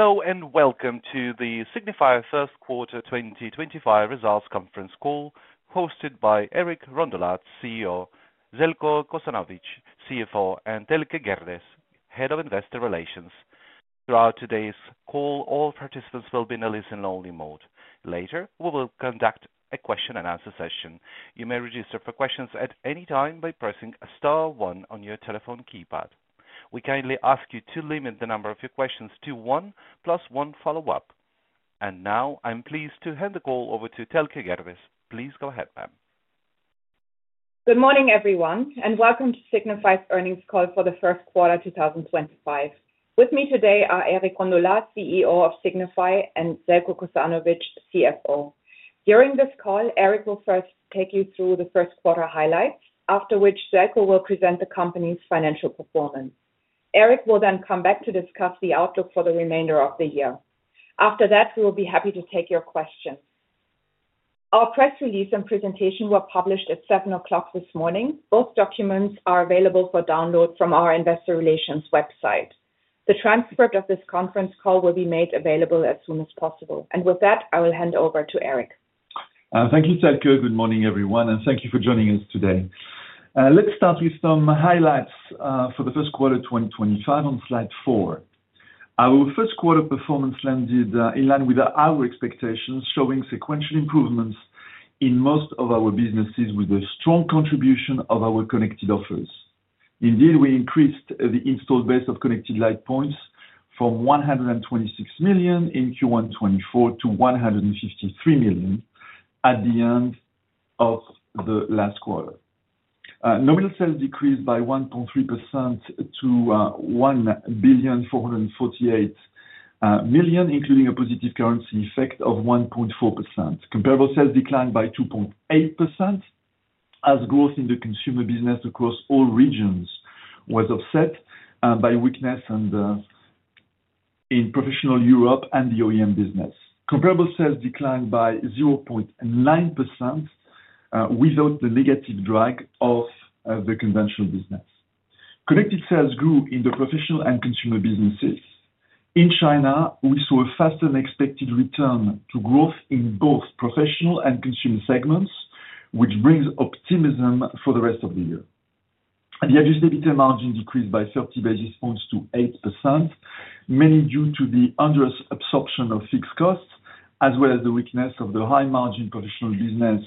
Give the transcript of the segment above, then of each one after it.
Hello and welcome to the Signify First Quarter 2025 Results conference call hosted by Eric Rondolat, CEO, Zeljko Kosanović, CFO, and Thelke Gerdes, Head of Investor Relations. Throughout today's call, all participants will be in a listen-only mode. Later, we will conduct a question-and-answer session. You may register for questions at any time by pressing a star one on your telephone keypad. We kindly ask you to limit the number of your questions to one plus one follow-up. Now, I'm pleased to hand the call over to Thelke Gerdes. Please go ahead, ma'am. Good morning, everyone, and welcome to Signify's earnings call for the first quarter 2025. With me today are Eric Rondolat, CEO of Signify, and Zeljko Kosanović, CFO. During this call, Eric will first take you through the first quarter highlights, after which Zeljko will present the company's financial performance. Eric will then come back to discuss the outlook for the remainder of the year. After that, we will be happy to take your questions. Our press release and presentation were published at 7:00 this morning. Both documents are available for download from our Investor Relations website. The transcript of this conference call will be made available as soon as possible. With that, I will hand over to Eric. Thank you, Thelke. Good morning, everyone, and thank you for joining us today. Let's start with some highlights for the first quarter 2025 on slide four. Our first quarter performance landed in line with our expectations, showing sequential improvements in most of our businesses with a strong contribution of our connected offers. Indeed, we increased the installed base of connected light points from 126 million in Q1 2024 to 153 million at the end of the last quarter. Nominal sales decreased by 1.3% to 1.448 billion, including a positive currency effect of 1.4%. Comparable sales declined by 2.8% as growth in the consumer business across all regions was offset by weakness in professional Europe and the OEM business. Comparable sales declined by 0.9% without the negative drag of the conventional business. Connected sales grew in the professional and consumer businesses. In China, we saw a faster than expected return to growth in both professional and consumer segments, which brings optimism for the rest of the year. The adjusted EBITDA margin decreased by 30 basis points to 8%, mainly due to the under-absorption of fixed costs, as well as the weakness of the high-margin professional business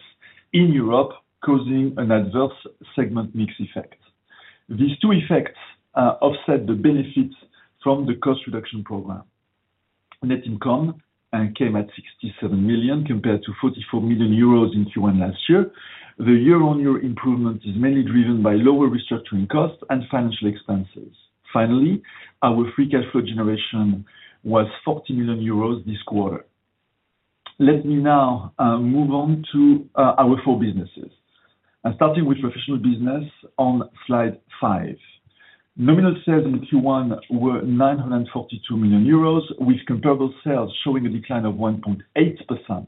in Europe, causing an adverse segment mix effect. These two effects offset the benefits from the cost reduction program. Net income came at 67 million compared to 44 million euros in Q1 last year. The year-on-year improvement is mainly driven by lower restructuring costs and financial expenses. Finally, our free cash flow generation was 40 million euros this quarter. Let me now move on to our four businesses, starting with professional business on slide five. Nominal sales in Q1 were 942 million euros, with comparable sales showing a decline of 1.8%.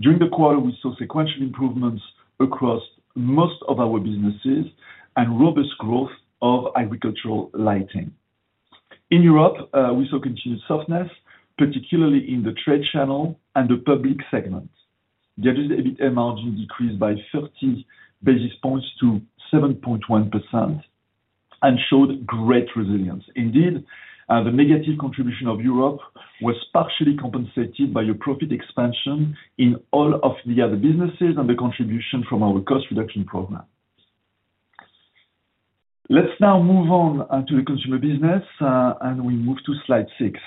During the quarter, we saw sequential improvements across most of our businesses and robust growth of agricultural lighting. In Europe, we saw continued softness, particularly in the trade channel and the public segment. The adjusted EBITDA margin decreased by 30 basis points to 7.1% and showed great resilience. Indeed, the negative contribution of Europe was partially compensated by profit expansion in all of the other businesses and the contribution from our cost reduction program. Let's now move on to the consumer business, and we move to slide six.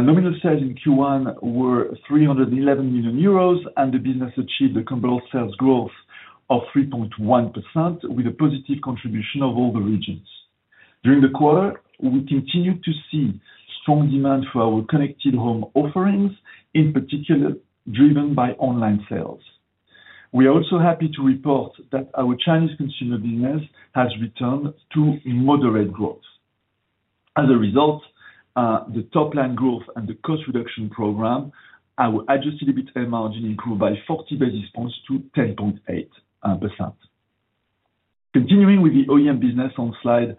Nominal sales in Q1 were 311 million euros, and the business achieved a comparable sales growth of 3.1% with a positive contribution of all the regions. During the quarter, we continued to see strong demand for our connected home offerings, in particular driven by online sales. We are also happy to report that our Chinese consumer business has returned to moderate growth. As a result, the top-line growth and the cost reduction program, our adjusted EBITDA margin improved by 40 basis points to 10.8%. Continuing with the OEM business on slide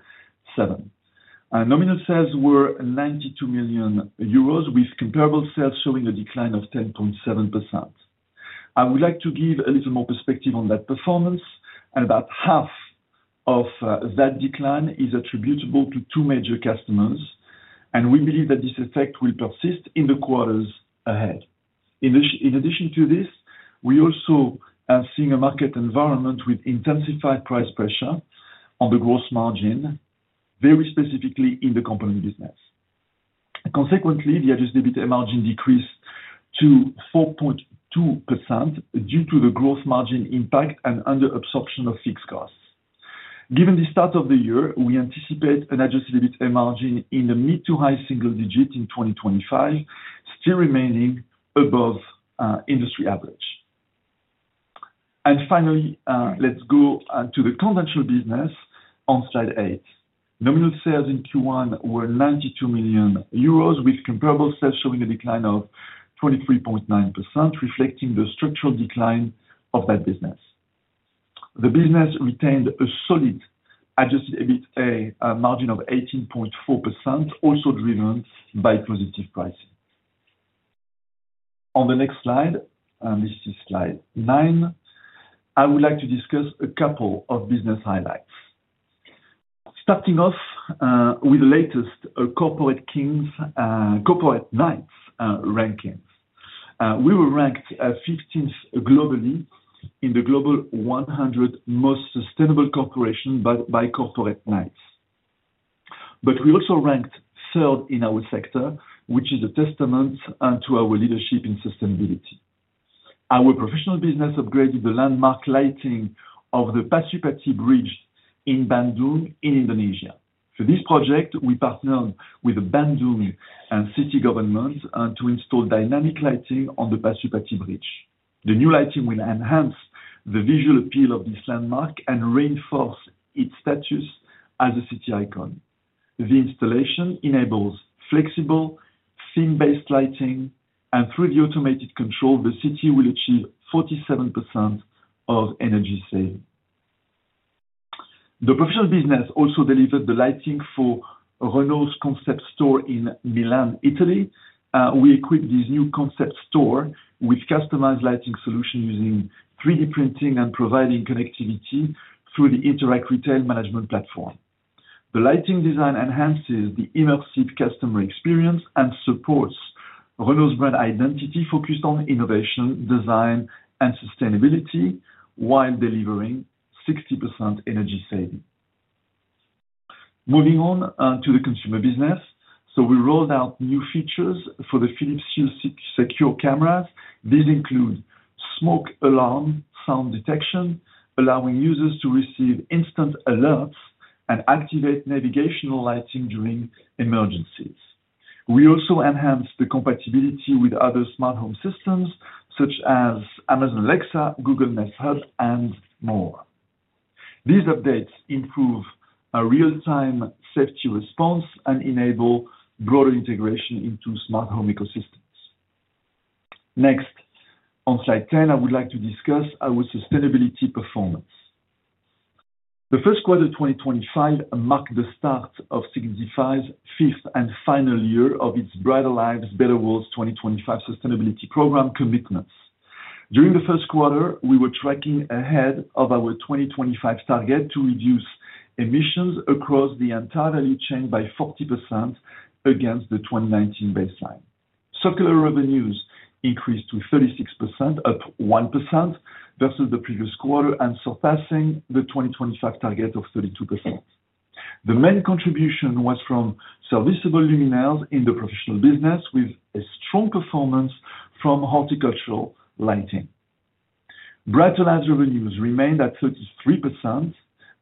seven, nominal sales were 92 million euros, with comparable sales showing a decline of 10.7%. I would like to give a little more perspective on that performance, and about half of that decline is attributable to two major customers, and we believe that this effect will persist in the quarters ahead. In addition to this, we also are seeing a market environment with intensified price pressure on the gross margin, very specifically in the company business. Consequently, the adjusted EBITDA margin decreased to 4.2% due to the gross margin impact and under-absorption of fixed costs. Given the start of the year, we anticipate an adjusted EBITDA margin in the mid to high single digit in 2025, still remaining above industry average. Finally, let's go to the conventional business on slide eight. Nominal sales in Q1 were 92 million euros, with comparable sales showing a decline of 23.9%, reflecting the structural decline of that business. The business retained a solid adjusted EBITDA margin of 18.4%, also driven by positive pricing. On the next slide, this is slide nine, I would like to discuss a couple of business highlights. Starting off with the latest Corporate Knights rankings, we were ranked 15th globally in the Global 100 Most Sustainable Corporations by Corporate Knights. We also ranked third in our sector, which is a testament to our leadership in sustainability. Our professional business upgraded the landmark lighting of the Pasupati Bridge in Bandung in Indonesia. For this project, we partnered with the Bandung city government to install dynamic lighting on the Pasupati Bridge. The new lighting will enhance the visual appeal of this landmark and reinforce its status as a city icon. The installation enables flexible theme-based lighting, and through the automated control, the city will achieve 47% energy saving. The professional business also delivered the lighting for Renault's concept store in Milan, Italy. We equipped this new concept store with customized lighting solutions using 3D printing and providing connectivity through the Interact Retail Management platform. The lighting design enhances the immersive customer experience and supports Renault's brand identity, focused on innovation, design, and sustainability while delivering 60% energy saving. Moving on to the consumer business, we rolled out new features for the Philips Hue Secure cameras. These include smoke alarm sound detection, allowing users to receive instant alerts and activate navigational lighting during emergencies. We also enhanced the compatibility with other smart home systems such as Amazon Alexa, Google Nest Hub, and more. These updates improve real-time safety response and enable broader integration into smart home ecosystems. Next, on slide 10, I would like to discuss our sustainability performance. The first quarter 2025 marked the start of Signify's fifth and final year of its Brighter Lives, Better World 2025 sustainability program commitments. During the first quarter, we were tracking ahead of our 2025 target to reduce emissions across the entire value chain by 40% against the 2019 baseline. Circular revenues increased to 36%, up 1% versus the previous quarter, and surpassing the 2025 target of 32%. The main contribution was from serviceable luminaires in the professional business, with a strong performance from horticultural lighting. Brighter Lives revenues remained at 33%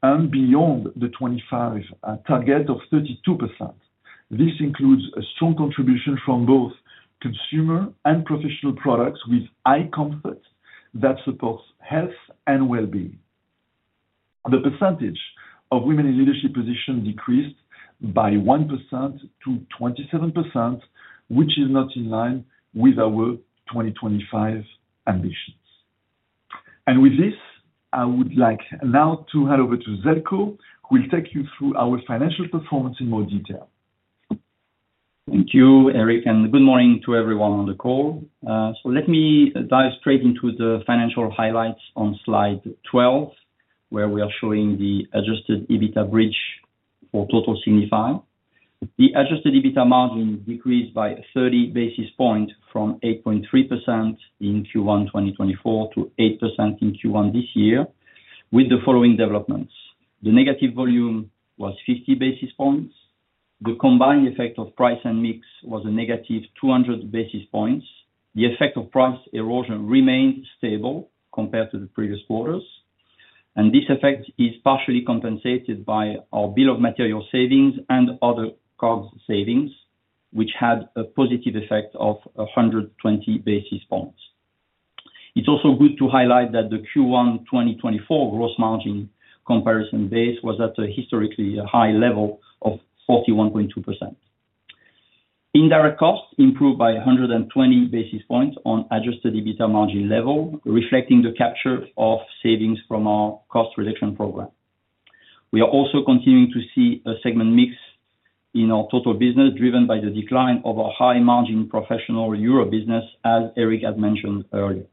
and beyond the 2025 target of 32%. This includes a strong contribution from both consumer and professional products with high comfort that supports health and well-being. The percentage of women in leadership positions decreased by 1% to 27%, which is not in line with our 2025 ambitions. I would like now to hand over to Željko, who will take you through our financial performance in more detail. Thank you, Eric, and good morning to everyone on the call. Let me dive straight into the financial highlights on slide 12, where we are showing the adjusted EBITDA bridge for total Signify. The adjusted EBITDA margin decreased by 30 basis points from 8.3% in Q1 2024 to 8% in Q1 this year, with the following developments. The negative volume was 50 basis points. The combined effect of price and mix was a negative 200 basis points. The effect of price erosion remained stable compared to the previous quarters. This effect is partially compensated by our bill of material savings and other cost savings, which had a positive effect of 120 basis points. It is also good to highlight that the Q1 2024 gross margin comparison base was at a historically high level of 41.2%. Indirect costs improved by 120 basis points on adjusted EBITDA margin level, reflecting the capture of savings from our cost reduction program. We are also continuing to see a segment mix in our total business, driven by the decline of our high-margin professional Europe business, as Eric had mentioned earlier.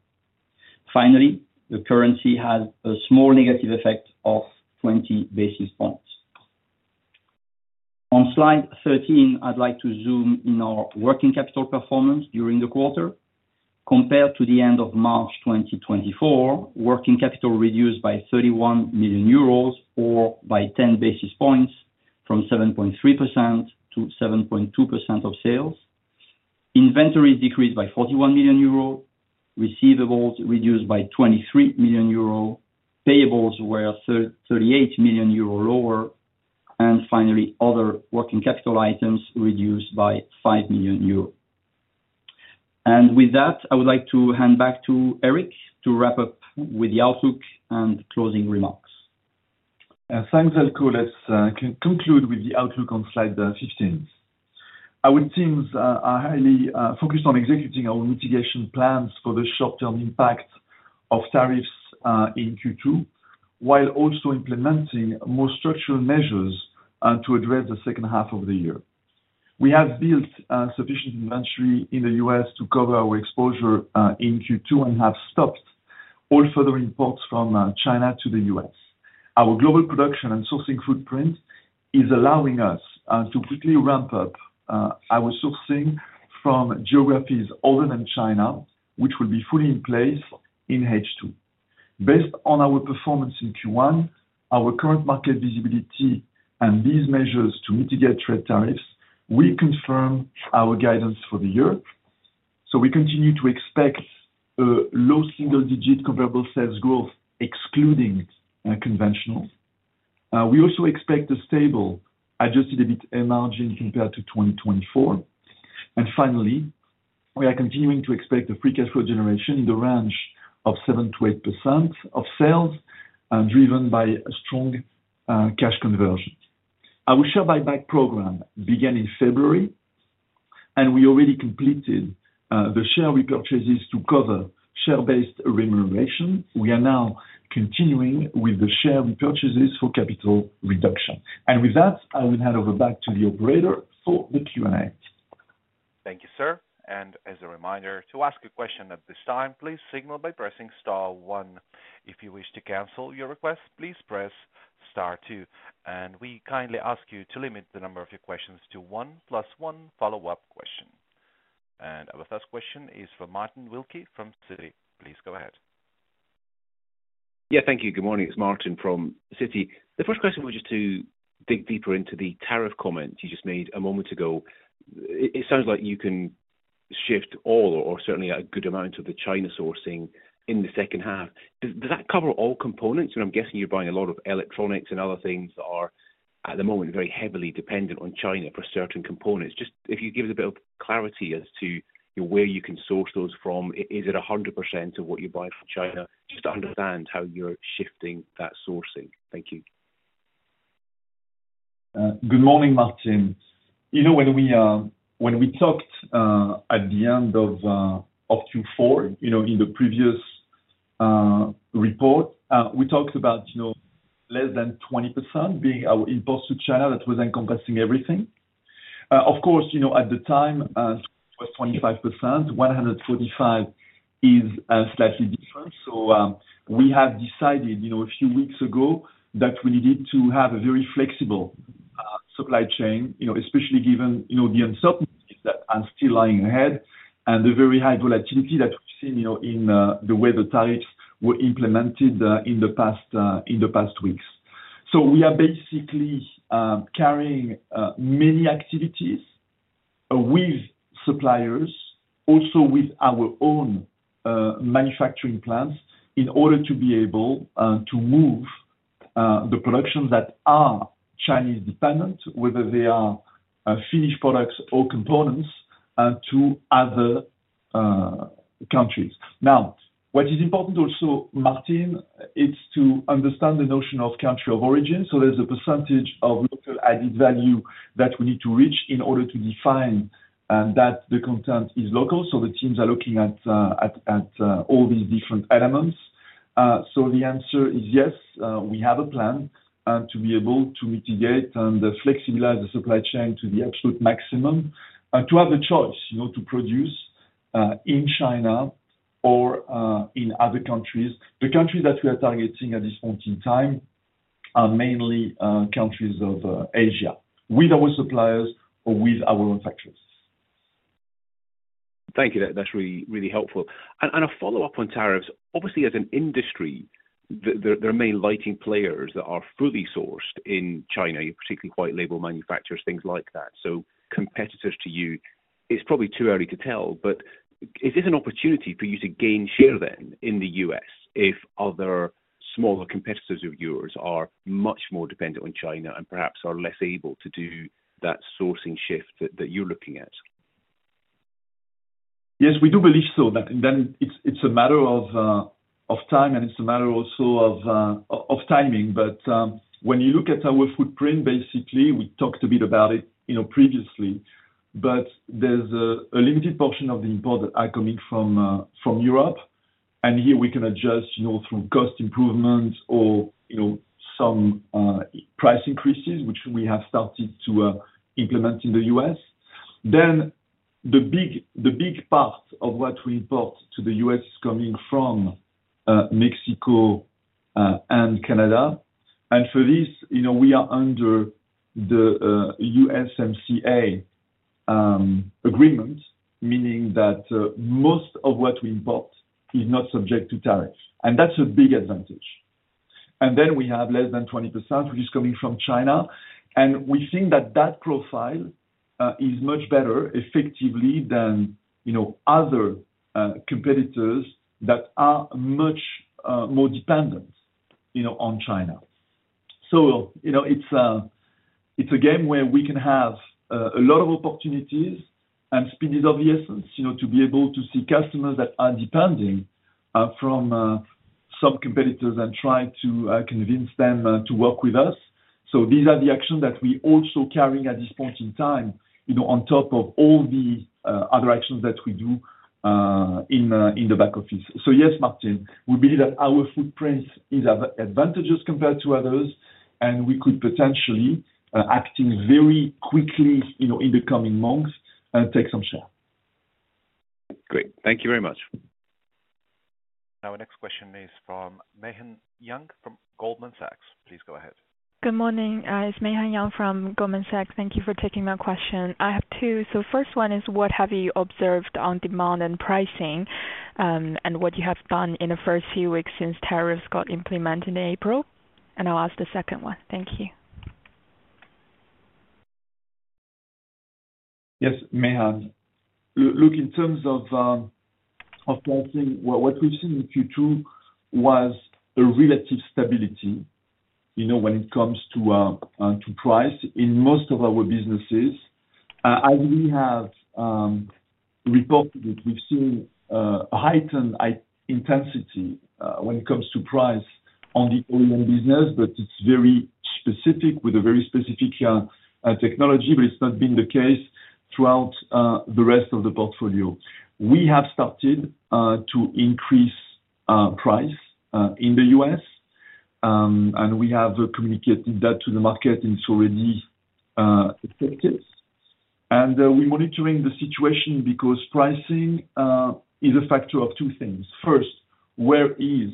Finally, the currency had a small negative effect of 20 basis points. On slide 13, I'd like to zoom in our working capital performance during the quarter. Compared to the end of March 2024, working capital reduced by 31 million euros, or by 10 basis points, from 7.3% to 7.2% of sales. Inventories decreased by 41 million euro. Receivables reduced by 23 million euro. Payables were 38 million euro lower. Finally, other working capital items reduced by 5 million euro. With that, I would like to hand back to Eric to wrap up with the outlook and closing remarks. Thanks, Zeljko. Let's conclude with the outlook on slide 15. Our teams are highly focused on executing our mitigation plans for the short-term impact of tariffs in Q2, while also implementing more structural measures to address the second half of the year. We have built sufficient inventory in the U.S. to cover our exposure in Q2 and have stopped all further imports from China to the U.S. Our global production and sourcing footprint is allowing us to quickly ramp up our sourcing from geographies other than China, which will be fully in place in H2. Based on our performance in Q1, our current market visibility, and these measures to mitigate trade tariffs, we confirm our guidance for the year. We continue to expect a low single-digit comparable sales growth, excluding conventionals. We also expect a stable adjusted EBITDA margin compared to 2024. Finally, we are continuing to expect a free cash flow generation in the range of 7%-8% of sales, driven by strong cash conversion. Our share buyback program began in February, and we already completed the share repurchases to cover share-based remuneration. We are now continuing with the share repurchases for capital reduction. With that, I will hand over back to the operator for the Q&A. Thank you, sir. As a reminder, to ask a question at this time, please signal by pressing Star one. If you wish to cancel your request, please press star two. We kindly ask you to limit the number of your questions to one plus one follow-up question. Our first question is from Martin Wilkie from Citi. Please go ahead. Yeah, thank you. Good morning. It's Martin from Citi. The first question was just to dig deeper into the tariff comments you just made a moment ago. It sounds like you can shift all, or certainly a good amount, of the China sourcing in the second half. Does that cover all components? I'm guessing you're buying a lot of electronics and other things that are at the moment very heavily dependent on China for certain components. Just if you could give us a bit of clarity as to where you can source those from. Is it 100% of what you buy from China? Just to understand how you're shifting that sourcing. Thank you. Good morning, Martin. You know, when we talked at the end of Q4, in the previous report, we talked about less than 20% being our imports to China that was encompassing everything. Of course, at the time, it was 25%. 145% is slightly different. We have decided a few weeks ago that we needed to have a very flexible supply chain, especially given the uncertainties that are still lying ahead and the very high volatility that we've seen in the way the tariffs were implemented in the past weeks. We are basically carrying many activities with suppliers, also with our own manufacturing plants, in order to be able to move the productions that are Chinese-dependent, whether they are finished products or components, to other countries. Now, what is important also, Martin, is to understand the notion of country of origin. There is a percentage of local added value that we need to reach in order to define that the content is local. The teams are looking at all these different elements. The answer is yes. We have a plan to be able to mitigate and flexibilize the supply chain to the absolute maximum, to have the choice to produce in China or in other countries. The countries that we are targeting at this point in time are mainly countries of Asia, with our suppliers or with our own factories. Thank you. That's really, really helpful. A follow-up on tariffs. Obviously, as an industry, there are main lighting players that are fully sourced in China, particularly white label manufacturers, things like that. Competitors to you, it's probably too early to tell, but is this an opportunity for you to gain share then in the U.S. if other smaller competitors of yours are much more dependent on China and perhaps are less able to do that sourcing shift that you're looking at? Yes, we do believe so. It is a matter of time, and it is a matter also of timing. When you look at our footprint, basically, we talked a bit about it previously, but there is a limited portion of the imports that are coming from Europe. Here, we can adjust through cost improvements or some price increases, which we have started to implement in the U.S. The big part of what we import to the U.S. is coming from Mexico and Canada. For this, we are under the USMCA agreement, meaning that most of what we import is not subject to tariff. That is a big advantage. We have less than 20% which is coming from China. We think that that profile is much better, effectively, than other competitors that are much more dependent on China. It's a game where we can have a lot of opportunities and speed is of the essence to be able to see customers that are depending from some competitors and try to convince them to work with us. These are the actions that we are also carrying at this point in time on top of all the other actions that we do in the back office. Yes, Martin, we believe that our footprint is advantageous compared to others, and we could potentially, acting very quickly in the coming months, take some share. Great. Thank you very much. Our next question is from Megan Young from Goldman Sachs. Please go ahead. Good morning. It's Meghan Young from Goldman Sachs. Thank you for taking my question. I have two. The first one is, what have you observed on demand and pricing and what you have done in the first few weeks since tariffs got implemented in April? I'll ask the second one. Thank you. Yes, Meghan. Look, in terms of pricing, what we've seen in Q2 was a relative stability when it comes to price in most of our businesses. As we have reported, we've seen a heightened intensity when it comes to price on the OEM business, but it's very specific with a very specific technology, but it's not been the case throughout the rest of the portfolio. We have started to increase price in the U.S., and we have communicated that to the market, and it's already effective. We are monitoring the situation because pricing is a factor of two things. First, where is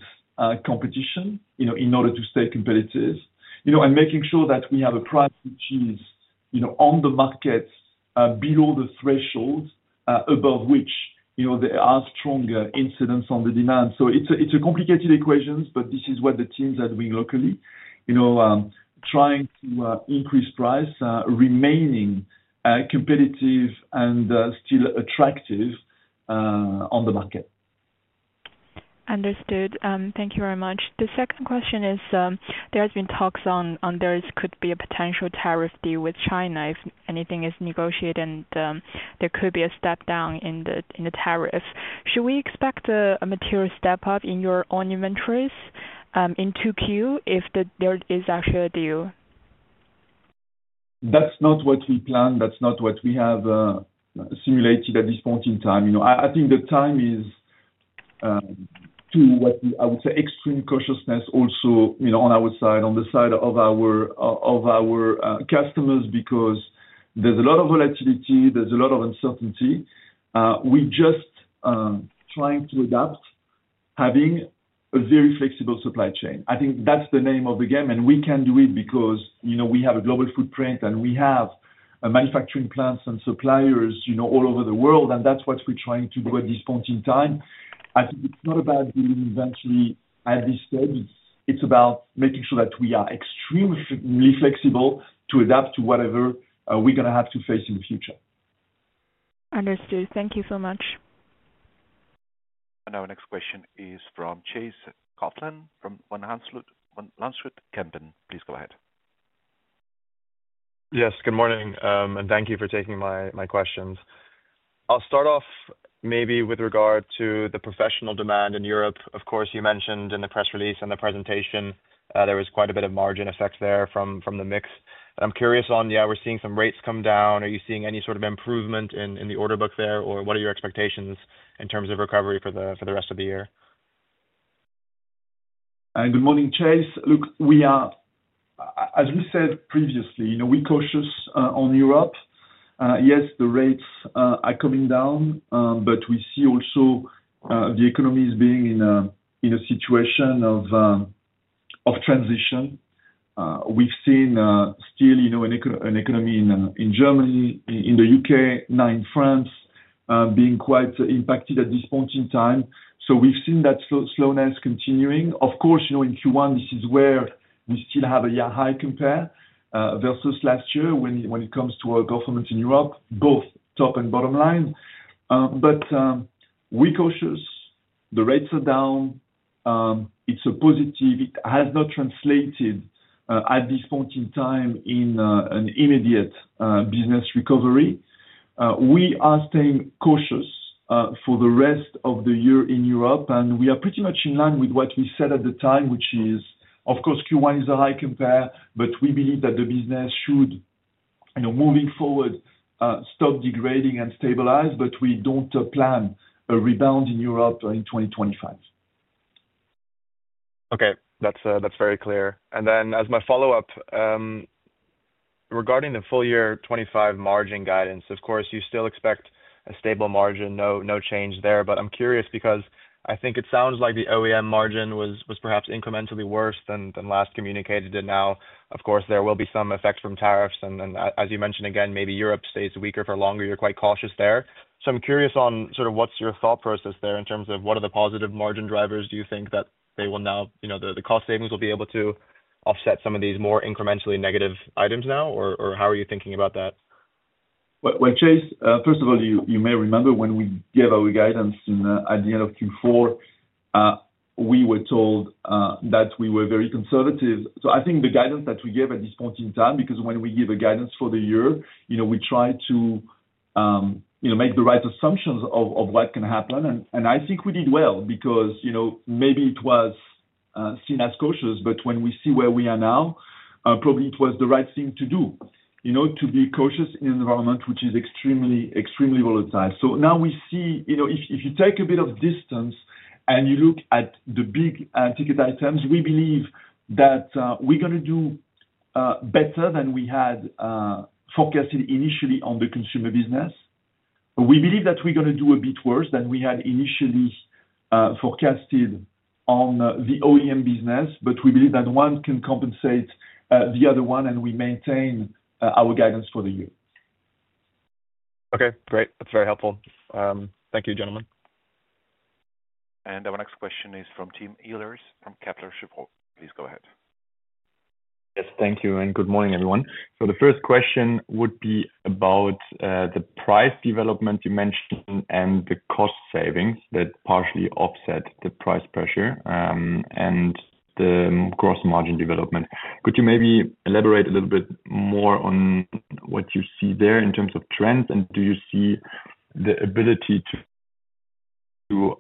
competition in order to stay competitive and making sure that we have a price which is on the market below the threshold above which there are stronger incidents on the demand. It's a complicated equation, but this is what the teams are doing locally, trying to increase price, remaining competitive and still attractive on the market. Understood. Thank you very much. The second question is, there have been talks on there could be a potential tariff deal with China if anything is negotiated, and there could be a step down in the tariffs. Should we expect a material step up in your own inventories in Q2 if there is actually a deal? That's not what we planned. That's not what we have simulated at this point in time. I think the time is to, I would say, extreme cautiousness also on our side, on the side of our customers, because there's a lot of volatility. There's a lot of uncertainty. We're just trying to adapt, having a very flexible supply chain. I think that's the name of the game, and we can do it because we have a global footprint, and we have manufacturing plants and suppliers all over the world. That's what we're trying to do at this point in time. I think it's not about dealing eventually at this stage. It's about making sure that we are extremely flexible to adapt to whatever we're going to have to face in the future. Understood. Thank you so much. Our next question is from Chase Coughlan from Kempen. Please go ahead. Yes, good morning, and thank you for taking my questions. I'll start off maybe with regard to the professional demand in Europe. Of course, you mentioned in the press release and the presentation, there was quite a bit of margin effect there from the mix. I'm curious on, yeah, we're seeing some rates come down. Are you seeing any sort of improvement in the order book there, or what are your expectations in terms of recovery for the rest of the year? Good morning, Chase. Look, we are, as we said previously, we're cautious on Europe. Yes, the rates are coming down, but we see also the economy is being in a situation of transition. We've seen still an economy in Germany, in the U.K., now in France, being quite impacted at this point in time. We've seen that slowness continuing. Of course, in Q1, this is where we still have a year-high compare versus last year when it comes to our performance in Europe, both top and bottom line. We're cautious. The rates are down. It's a positive. It has not translated at this point in time in an immediate business recovery. We are staying cautious for the rest of the year in Europe, and we are pretty much in line with what we said at the time, which is, of course, Q1 is a high compare, but we believe that the business should, moving forward, stop degrading and stabilize, but we do not plan a rebound in Europe in 2025. Okay. That's very clear. As my follow-up, regarding the full year 2025 margin guidance, of course, you still expect a stable margin, no change there. I'm curious because I think it sounds like the OEM margin was perhaps incrementally worse than last communicated. Now, of course, there will be some effect from tariffs. As you mentioned, maybe Europe stays weaker for longer. You're quite cautious there. I'm curious on sort of what's your thought process there in terms of what are the positive margin drivers. Do you think that they will now, the cost savings will be able to offset some of these more incrementally negative items now? How are you thinking about that? Chase, first of all, you may remember when we gave our guidance at the end of Q4, we were told that we were very conservative. I think the guidance that we gave at this point in time, because when we give a guidance for the year, we try to make the right assumptions of what can happen. I think we did well because maybe it was seen as cautious, but when we see where we are now, probably it was the right thing to do, to be cautious in an environment which is extremely volatile. Now we see, if you take a bit of distance and you look at the big ticket items, we believe that we're going to do better than we had forecasted initially on the consumer business. We believe that we're going to do a bit worse than we had initially forecasted on the OEM business, but we believe that one can compensate the other one, and we maintain our guidance for the year. Okay. Great. That's very helpful. Thank you, gentlemen. Our next question is from Tim Ehlers from Kepler Cheuvreux. Please go ahead. Yes, thank you. Good morning, everyone. The first question would be about the price development you mentioned and the cost savings that partially offset the price pressure and the gross margin development. Could you maybe elaborate a little bit more on what you see there in terms of trends? Do you see the ability to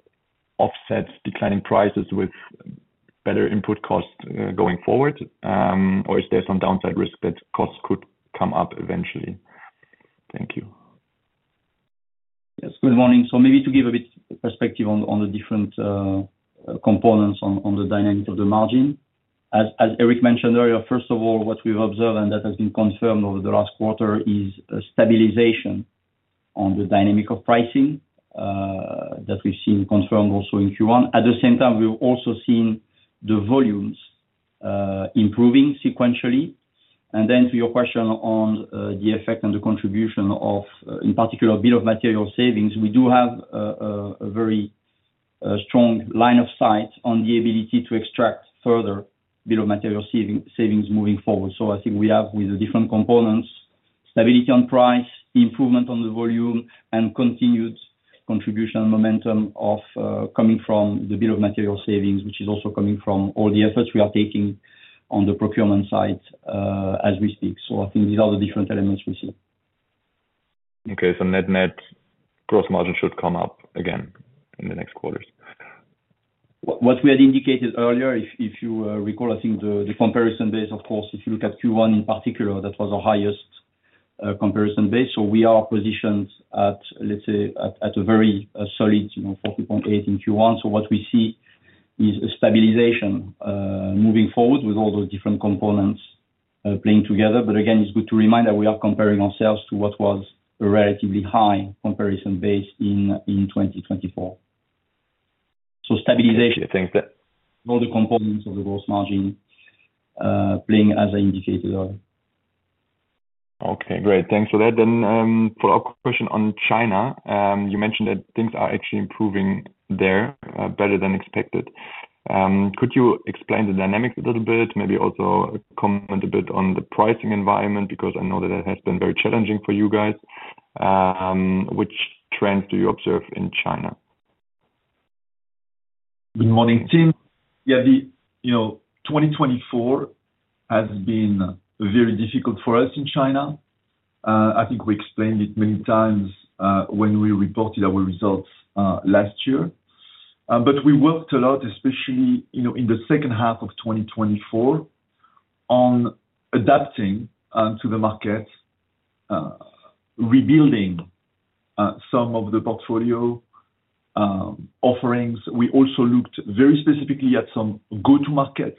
offset declining prices with better input costs going forward? Is there some downside risk that costs could come up eventually? Thank you. Yes. Good morning. Maybe to give a bit of perspective on the different components on the dynamic of the margin, as Eric mentioned earlier, first of all, what we've observed, and that has been confirmed over the last quarter, is a stabilization on the dynamic of pricing that we've seen confirmed also in Q1. At the same time, we've also seen the volumes improving sequentially. To your question on the effect and the contribution of, in particular, bill of material savings, we do have a very strong line of sight on the ability to extract further bill of material savings moving forward. I think we have, with the different components, stability on price, improvement on the volume, and continued contribution and momentum coming from the bill of material savings, which is also coming from all the efforts we are taking on the procurement side as we speak. I think these are the different elements we see. Okay. Net-net, gross margin should come up again in the next quarters. What we had indicated earlier, if you recall, I think the comparison base, of course, if you look at Q1 in particular, that was our highest comparison base. We are positioned at, let's say, at a very solid 40.8 in Q1. What we see is a stabilization moving forward with all those different components playing together. Again, it's good to remind that we are comparing ourselves to what was a relatively high comparison base in 2024. Stabilization. Things that. All the components of the gross margin playing as I indicated earlier. Okay. Great. Thanks for that. For our question on China, you mentioned that things are actually improving there, better than expected. Could you explain the dynamics a little bit, maybe also comment a bit on the pricing environment? Because I know that it has been very challenging for you guys. Which trends do you observe in China? Good morning, Tim. Yeah, 2024 has been very difficult for us in China. I think we explained it many times when we reported our results last year. We worked a lot, especially in the second half of 2024, on adapting to the market, rebuilding some of the portfolio offerings. We also looked very specifically at some go-to markets.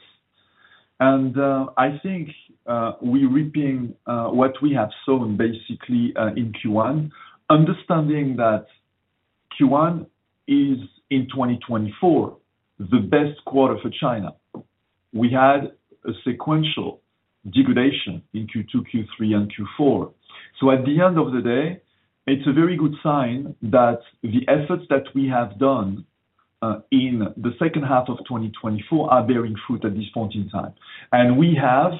I think we're reaping what we have seen basically in Q1, understanding that Q1 is, in 2024, the best quarter for China. We had a sequential degradation in Q2, Q3, and Q4. At the end of the day, it's a very good sign that the efforts that we have done in the second half of 2024 are bearing fruit at this point in time. We have,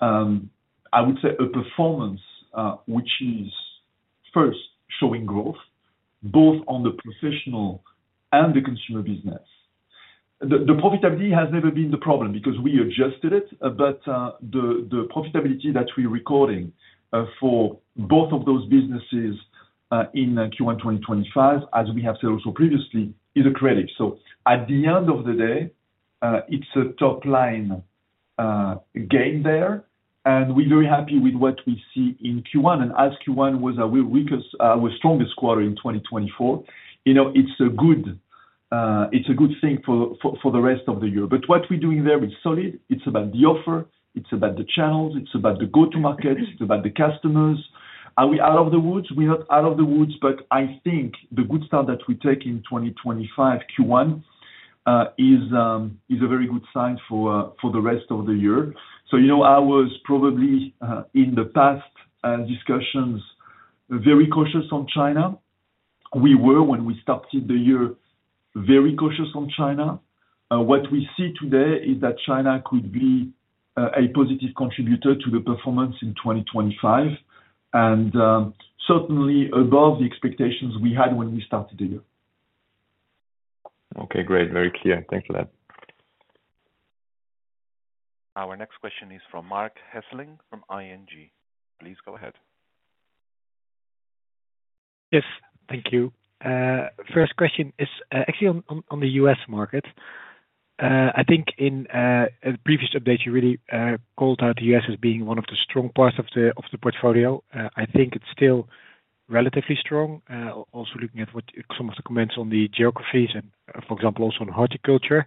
I would say, a performance which is, first, showing growth both on the professional and the consumer business. The profitability has never been the problem because we adjusted it, but the profitability that we're recording for both of those businesses in Q1 2025, as we have said also previously, is a credit. At the end of the day, it's a top-line gain there. We're very happy with what we see in Q1. As Q1 was our strongest quarter in 2024, it's a good thing for the rest of the year. What we're doing there is solid. It's about the offer. It's about the channels. It's about the go-to markets. It's about the customers. Are we out of the woods? We're not out of the woods, but I think the good start that we take in 2025 Q1 is a very good sign for the rest of the year. I was probably in the past discussions very cautious on China. We were, when we started the year, very cautious on China. What we see today is that China could be a positive contributor to the performance in 2025, and certainly above the expectations we had when we started the year. Okay. Great. Very clear. Thanks for that. Our next question is from Marc Hesselink from ING. Please go ahead. Yes. Thank you. First question is actually on the US market. I think in the previous update, you really called out the US as being one of the strong parts of the portfolio. I think it's still relatively strong, also looking at some of the comments on the geographies and, for example, also on horticulture.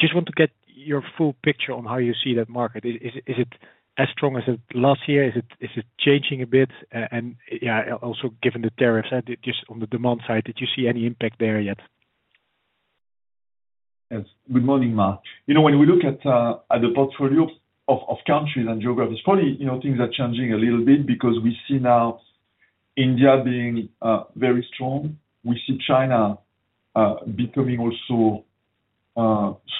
Just want to get your full picture on how you see that market. Is it as strong as it was last year? Is it changing a bit? Yeah, also given the tariffs just on the demand side, did you see any impact there yet? Yes. Good morning, Mark. When we look at the portfolio of countries and geographies, probably things are changing a little bit because we see now India being very strong. We see China becoming also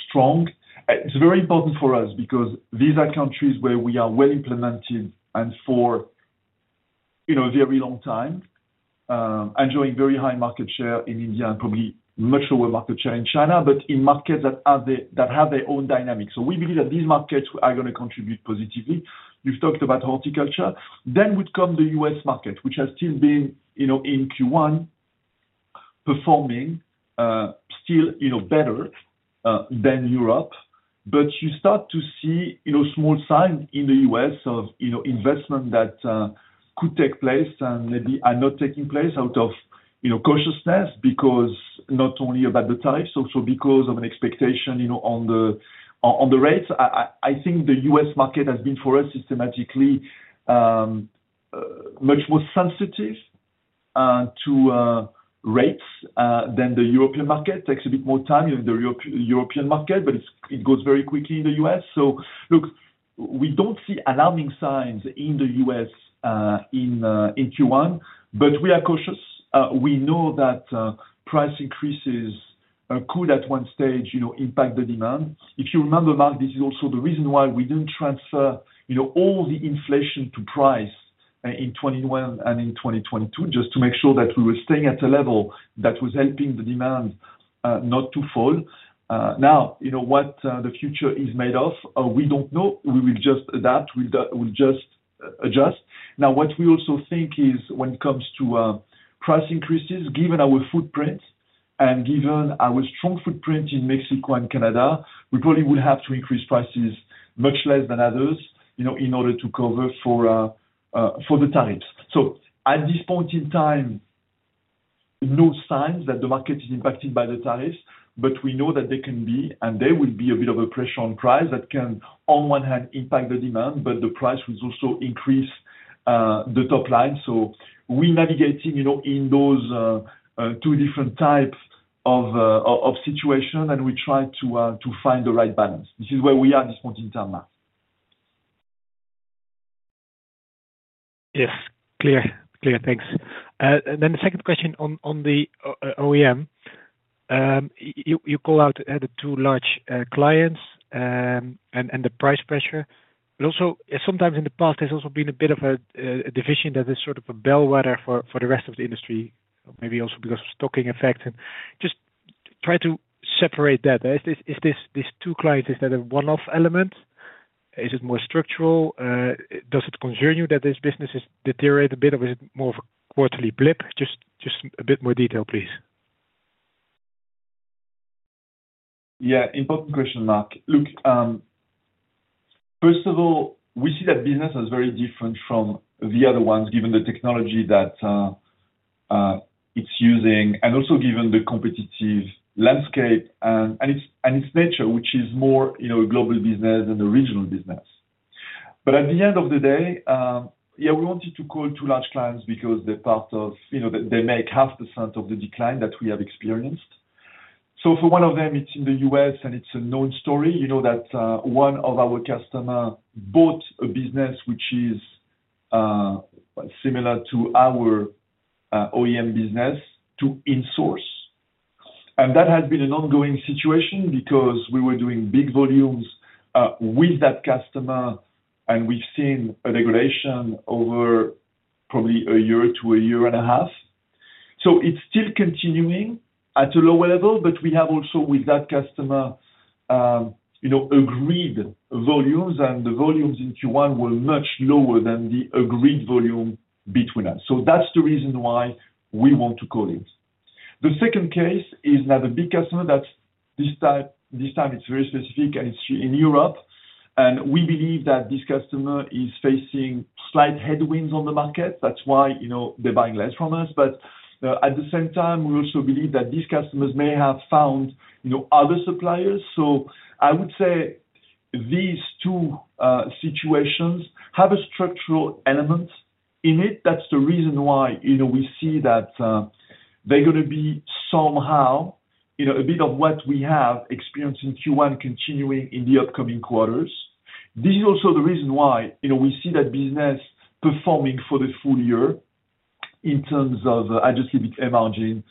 strong. It's very important for us because these are countries where we are well-implemented and for a very long time enjoying very high market share in India and probably much lower market share in China, but in markets that have their own dynamics. We believe that these markets are going to contribute positively. You've talked about horticulture. Then would come the U.S. market, which has still been in Q1 performing still better than Europe. You start to see small signs in the U.S. of investment that could take place and maybe are not taking place out of cautiousness because not only about the tariffs, also because of an expectation on the rates. I think the U.S. market has been for us systematically much more sensitive to rates than the European market. It takes a bit more time in the European market, but it goes very quickly in the U.S. Look, we do not see alarming signs in the U.S. in Q1, but we are cautious. We know that price increases could at one stage impact the demand. If you remember, Mark, this is also the reason why we did not transfer all the inflation to price in 2021 and in 2022, just to make sure that we were staying at a level that was helping the demand not to fall. Now, what the future is made of, we do not know. We will just adapt. We will just adjust. Now, what we also think is when it comes to price increases, given our footprint and given our strong footprint in Mexico and Canada, we probably will have to increase prices much less than others in order to cover for the tariffs. At this point in time, no signs that the market is impacted by the tariffs, but we know that there can be and there will be a bit of a pressure on price that can, on one hand, impact the demand, but the price will also increase the top line. We are navigating in those two different types of situation, and we try to find the right balance. This is where we are at this point in time, Mark. Yes. Clear. Clear. Thanks. The second question on the OEM, you call out the two large clients and the price pressure. Sometimes in the past, there's also been a bit of a division that is sort of a bellwether for the rest of the industry, maybe also because of stocking effect. I am just trying to separate that. Is this two clients? Is that a one-off element? Is it more structural? Does it concern you that this business has deteriorated a bit, or is it more of a quarterly blip? Just a bit more detail, please. Yeah. Important question, Mark. Look, first of all, we see that business as very different from the other ones, given the technology that it's using and also given the competitive landscape and its nature, which is more a global business than a regional business. At the end of the day, yeah, we wanted to call two large clients because they're part of they make half a percent of the decline that we have experienced. For one of them, it's in the U.S., and it's a known story that one of our customers bought a business which is similar to our OEM business to insource. That has been an ongoing situation because we were doing big volumes with that customer, and we've seen a degradation over probably a year to a year and a half. It is still continuing at a lower level, but we have also with that customer agreed volumes, and the volumes in Q1 were much lower than the agreed volume between us. That is the reason why we want to call it. The second case is now the big customer that this time, it is very specific, and it is in Europe. We believe that this customer is facing slight headwinds on the market. That is why they are buying less from us. At the same time, we also believe that these customers may have found other suppliers. I would say these two situations have a structural element in it. That is the reason why we see that there is going to be somehow a bit of what we have experienced in Q1 continuing in the upcoming quarters. This is also the reason why we see that business performing for the full year in terms of adjusted emerging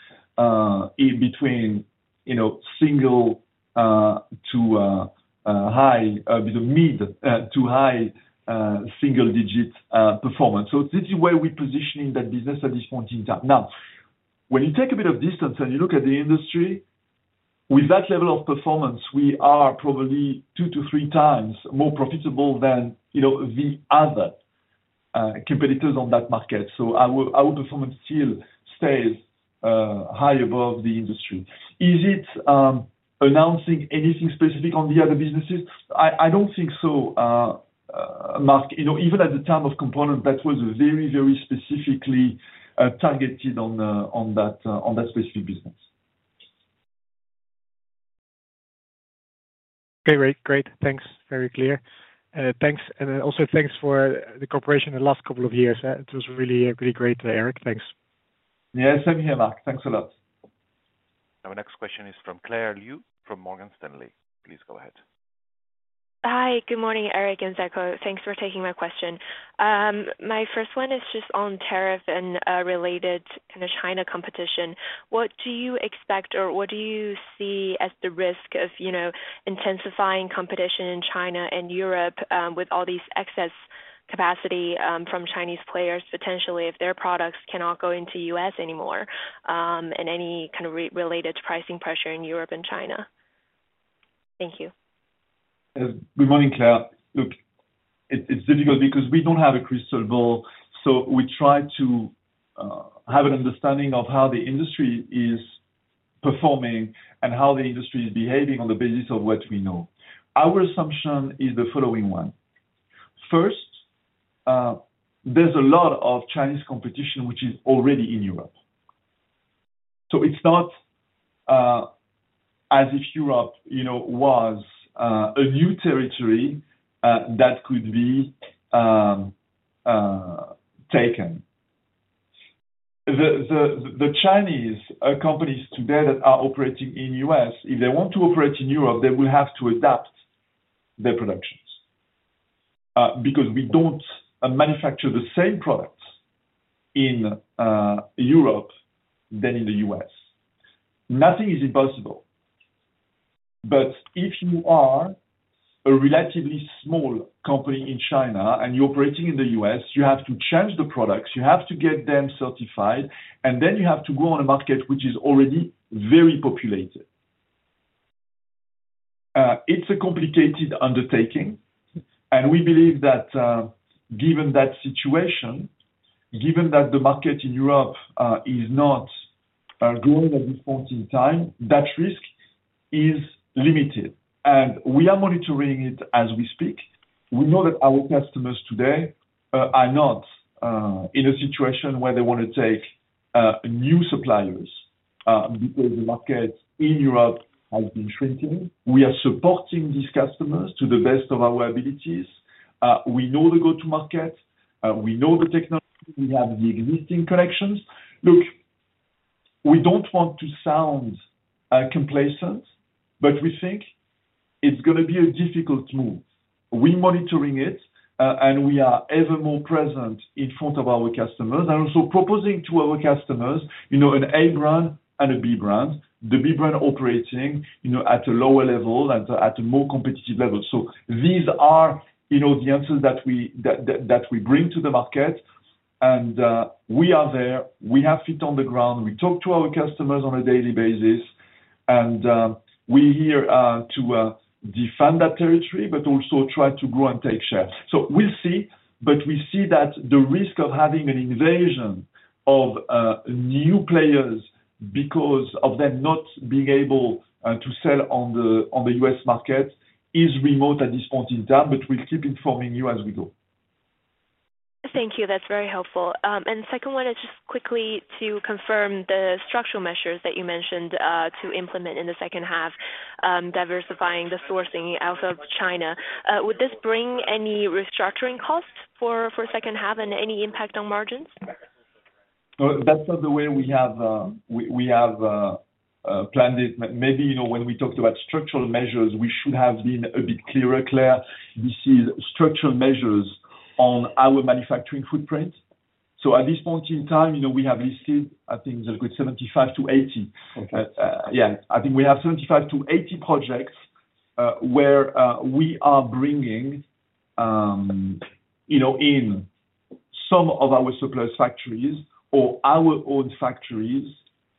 between mid to high single-digit performance. This is where we're positioning that business at this point in time. Now, when you take a bit of distance and you look at the industry, with that level of performance, we are probably two to three times more profitable than the other competitors on that market. Our performance still stays high above the industry. Is it announcing anything specific on the other businesses? I don't think so, Mark. Even at the time of components, that was very, very specifically targeted on that specific business. Okay. Great. Great. Thanks. Very clear. Thanks. Also, thanks for the cooperation in the last couple of years. It was really, really great, Eric. Thanks. Yeah. Same here, Mark. Thanks a lot. Our next question is from Claire Liu from Morgan Stanley. Please go ahead. Hi. Good morning, Eric and Zeljko. Thanks for taking my question. My first one is just on tariff and related kind of China competition. What do you expect or what do you see as the risk of intensifying competition in China and Europe with all these excess capacity from Chinese players potentially if their products cannot go into the US anymore and any kind of related pricing pressure in Europe and China? Thank you. Good morning, Claire. Look, it's difficult because we don't have a crystal ball. We try to have an understanding of how the industry is performing and how the industry is behaving on the basis of what we know. Our assumption is the following one. First, there's a lot of Chinese competition which is already in Europe. It's not as if Europe was a new territory that could be taken. The Chinese companies today that are operating in the U.S., if they want to operate in Europe, they will have to adapt their productions because we don't manufacture the same products in Europe than in the U.S. Nothing is impossible. If you are a relatively small company in China and you're operating in the U.S., you have to change the products. You have to get them certified, and then you have to go on a market which is already very populated. It's a complicated undertaking, and we believe that given that situation, given that the market in Europe is not growing at this point in time, that risk is limited. We are monitoring it as we speak. We know that our customers today are not in a situation where they want to take new suppliers because the market in Europe has been shrinking. We are supporting these customers to the best of our abilities. We know the go-to market. We know the technology. We have the existing connections. Look, we don't want to sound complacent, but we think it's going to be a difficult move. We're monitoring it, and we are ever more present in front of our customers and also proposing to our customers an A brand and a B brand, the B brand operating at a lower level and at a more competitive level. These are the answers that we bring to the market. We are there. We have feet on the ground. We talk to our customers on a daily basis, and we're here to defend that territory, but also try to grow and take share. We see that the risk of having an invasion of new players because of them not being able to sell on the U.S. market is remote at this point in time, but we'll keep informing you as we go. Thank you. That's very helpful. The second one is just quickly to confirm the structural measures that you mentioned to implement in the second half, diversifying the sourcing out of China. Would this bring any restructuring costs for the second half and any impact on margins? That's not the way we have planned it. Maybe when we talked about structural measures, we should have been a bit clearer. Claire, this is structural measures on our manufacturing footprint. At this point in time, we have listed, I think it's a good 75-80. Yeah. I think we have 75-80 projects where we are bringing in some of our surplus factories or our own factories,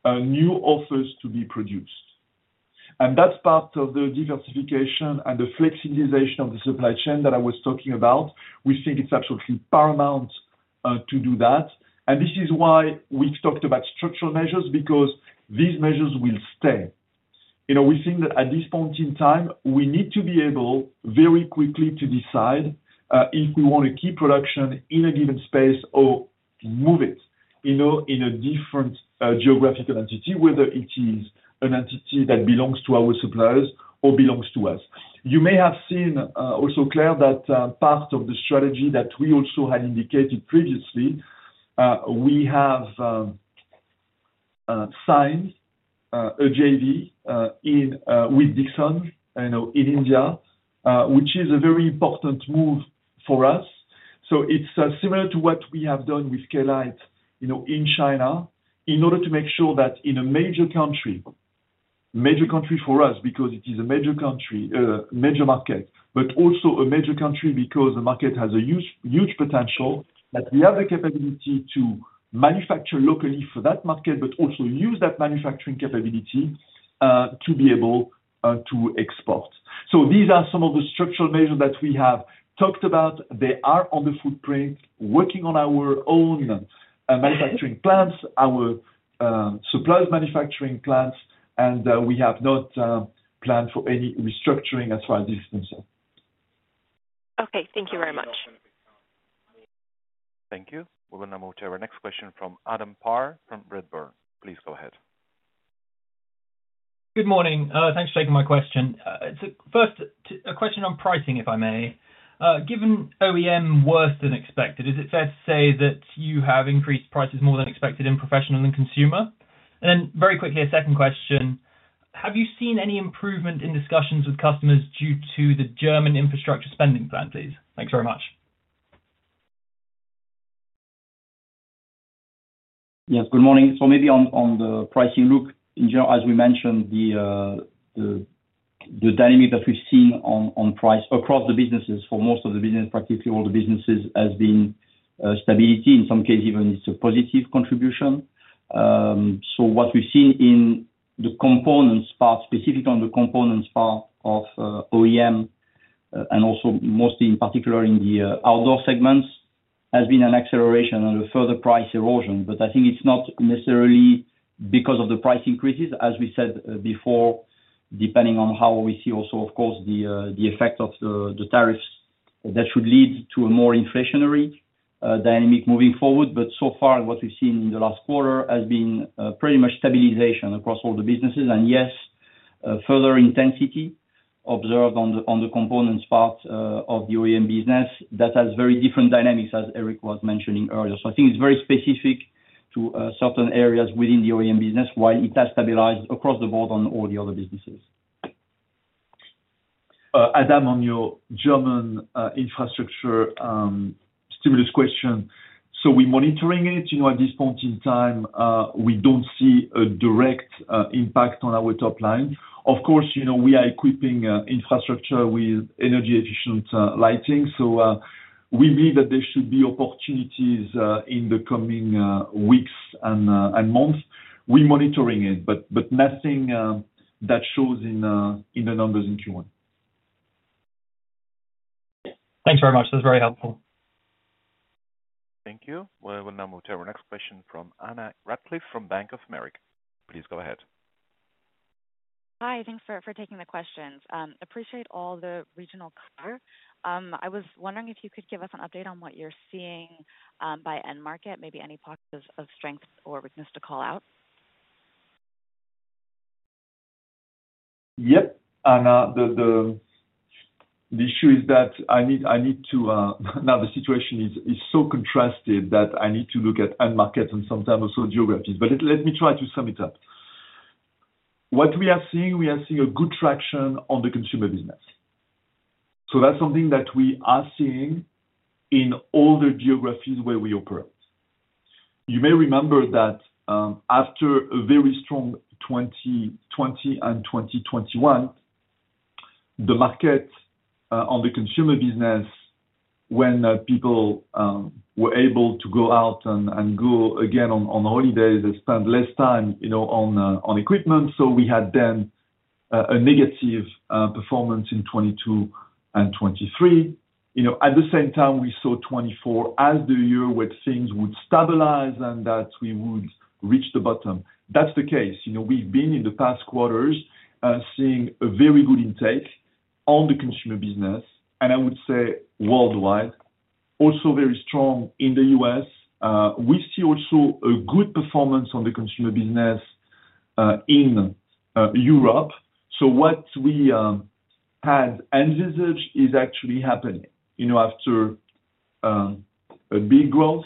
new offers to be produced. That's part of the diversification and the flexibilization of the supply chain that I was talking about. We think it's absolutely paramount to do that. This is why we've talked about structural measures because these measures will stay. We think that at this point in time, we need to be able very quickly to decide if we want to keep production in a given space or move it in a different geographical entity, whether it is an entity that belongs to our suppliers or belongs to us. You may have seen also, Claire, that part of the strategy that we also had indicated previously, we have signed a JV with Dixon in India, which is a very important move for us. It's similar to what we have done with Klite in China in order to make sure that in a major country, major country for us because it is a major market, but also a major country because the market has a huge potential, that we have the capability to manufacture locally for that market, but also use that manufacturing capability to be able to export. These are some of the structural measures that we have talked about. They are on the footprint, working on our own manufacturing plants, our suppliers' manufacturing plants, and we have not planned for any restructuring as far as this is concerned. Okay. Thank you very much. Thank you. We're going to move to our next question from Adam Parr from Redburn. Please go ahead. Good morning. Thanks for taking my question. First, a question on pricing, if I may. Given OEM worse than expected, is it fair to say that you have increased prices more than expected in professional and consumer? A very quickly, a second question. Have you seen any improvement in discussions with customers due to the German infrastructure spending plan, please? Thanks very much. Yes. Good morning. Maybe on the pricing look, as we mentioned, the dynamic that we've seen on price across the businesses for most of the business, practically all the businesses, has been stability. In some cases, even it's a positive contribution. What we've seen in the components part, specifically on the components part of OEM, and also mostly in particular in the outdoor segments, has been an acceleration and a further price erosion. I think it's not necessarily because of the price increases, as we said before, depending on how we see also, of course, the effect of the tariffs that should lead to a more inflationary dynamic moving forward. So far, what we've seen in the last quarter has been pretty much stabilization across all the businesses. Yes, further intensity observed on the components part of the OEM business that has very different dynamics, as Eric was mentioning earlier. I think it is very specific to certain areas within the OEM business, while it has stabilized across the board on all the other businesses. Adam, on your German infrastructure stimulus question. We're monitoring it. At this point in time, we don't see a direct impact on our top line. Of course, we are equipping infrastructure with energy-efficient lighting. We believe that there should be opportunities in the coming weeks and months. We're monitoring it, but nothing that shows in the numbers in Q1. Thanks very much. That's very helpful. Thank you. We're going to move to our next question from Anna Ratcliffe from Bank of America. Please go ahead. Hi. Thanks for taking the questions. Appreciate all the regional cover. I was wondering if you could give us an update on what you're seeing by end market, maybe any pockets of strength or weakness to call out. Yep. The issue is that I need to now, the situation is so contrasted that I need to look at end markets and sometimes also geographies. Let me try to sum it up. What we are seeing, we are seeing a good traction on the consumer business. That is something that we are seeing in all the geographies where we operate. You may remember that after a very strong 2020 and 2021, the market on the consumer business, when people were able to go out and go again on holidays, they spent less time on equipment. We had then a negative performance in 2022 and 2023. At the same time, we saw 2024 as the year where things would stabilize and that we would reach the bottom. That is the case. We've been in the past quarters seeing a very good intake on the consumer business, and I would say worldwide, also very strong in the U.S. We see also a good performance on the consumer business in Europe. What we had envisaged is actually happening after a big growth,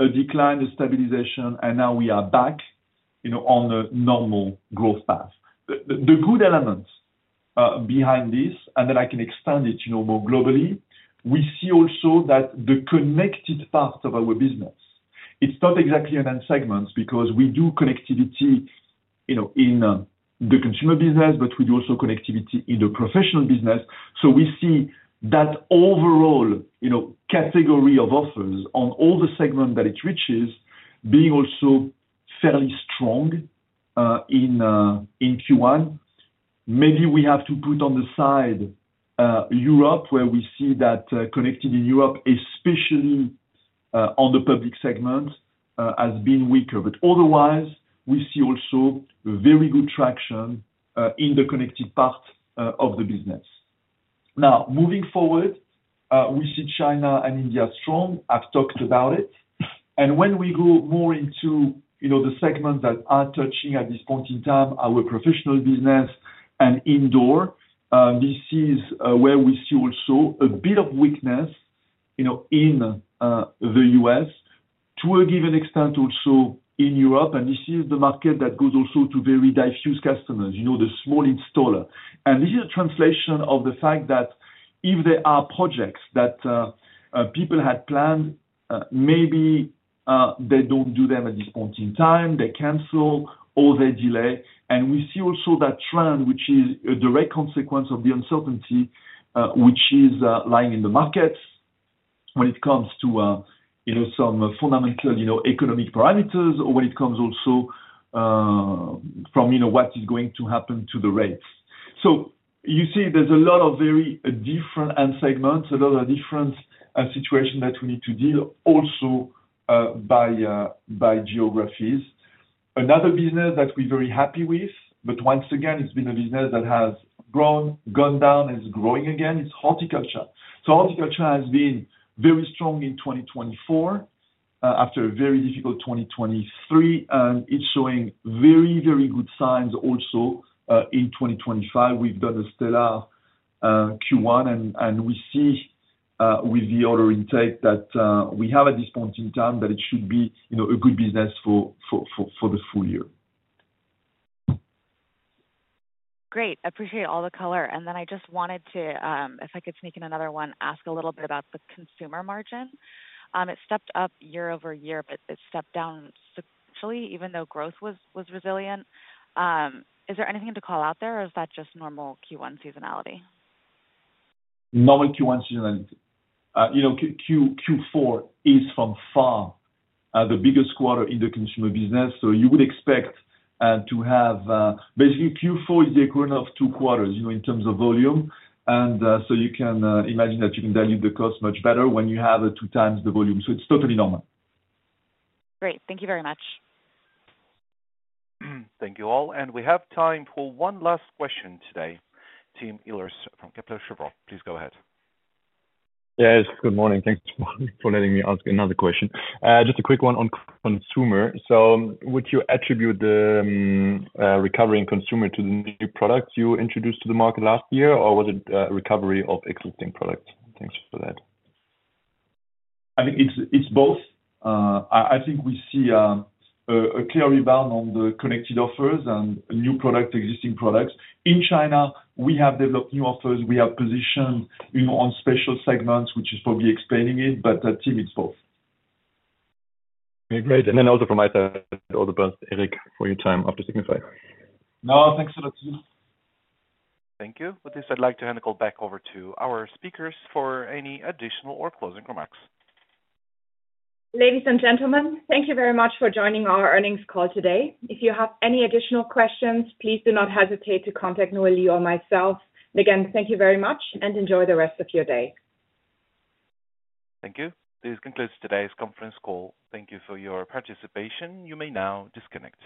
a decline, a stabilization, and now we are back on a normal growth path. The good elements behind this, and then I can expand it more globally, we see also that the connected part of our business, it's not exactly an end segment because we do connectivity in the consumer business, but we do also connectivity in the professional business. We see that overall category of offers on all the segments that it reaches being also fairly strong in Q1. Maybe we have to put on the side Europe where we see that connected in Europe, especially on the public segment, has been weaker. Otherwise, we see also very good traction in the connected part of the business. Now, moving forward, we see China and India strong. I've talked about it. When we go more into the segments that are touching at this point in time, our professional business and indoor, this is where we see also a bit of weakness in the U.S., to a given extent also in Europe. This is the market that goes also to very diffuse customers, the small installer. This is a translation of the fact that if there are projects that people had planned, maybe they don't do them at this point in time, they cancel or they delay. We see also that trend, which is a direct consequence of the uncertainty which is lying in the markets when it comes to some fundamental economic parameters or when it comes also from what is going to happen to the rates. You see there is a lot of very different end segments, a lot of different situations that we need to deal also by geographies. Another business that we are very happy with, but once again, it has been a business that has grown, gone down, and is growing again, is horticulture. Horticulture has been very strong in 2024 after a very difficult 2023, and it is showing very, very good signs also in 2025. We have done a stellar Q1, and we see with the order intake that we have at this point in time that it should be a good business for the full year. Great. I appreciate all the color. I just wanted to, if I could sneak in another one, ask a little bit about the consumer margin. It stepped up year over year, but it stepped down substantially even though growth was resilient. Is there anything to call out there, or is that just normal Q1 seasonality? Normal Q1 seasonality. Q4 is, by far, the biggest quarter in the consumer business. You would expect to have basically Q4 is the equivalent of two quarters in terms of volume. You can imagine that you can dilute the cost much better when you have two times the volume. It is totally normal. Great. Thank you very much. Thank you all. We have time for one last question today. Tim Ehlers from Kepler Cheuvreux, please go ahead. Yes. Good morning. Thanks for letting me ask another question. Just a quick one on consumer. Would you attribute the recovery in consumer to the new products you introduced to the market last year, or was it a recovery of existing products? Thanks for that. I mean, it's both. I think we see a clear rebound on the connected offers and new products, existing products. In China, we have developed new offers. We have positioned on special segments, which is probably explaining it, but I think it's both. Okay. Great. Also from my side, all the best, Eric, for your time after Signify. No, thanks a lot, Tim. Thank you. With this, I'd like to hand the call back over to our speakers for any additional or closing remarks. Ladies and gentlemen, thank you very much for joining our earnings call today. If you have any additional questions, please do not hesitate to contact Noëlly or myself. Thank you very much and enjoy the rest of your day. Thank you. This concludes today's conference call. Thank you for your participation. You may now disconnect.